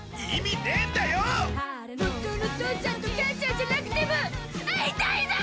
本当の父ちゃんと母ちゃんじゃなくても会いたいゾ！